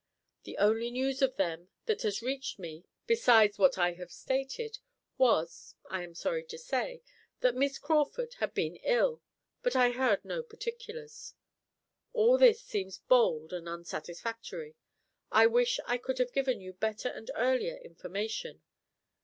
The only news of them that has reached me, besides what I have stated, was, I am sorry to say, that Miss Crawford had been ill, but I heard no particulars. All this seems bald and unsatisfactory; I wish I could have given you better and earlier information.